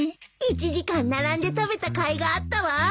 １時間並んで食べたかいがあったわ。